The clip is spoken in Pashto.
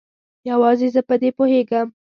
یوازې زه په دې پوهیږم